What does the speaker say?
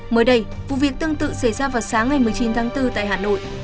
mới đây vụ việc tương tự xảy ra vào sáng ngày một mươi chín tháng bốn tại hà nội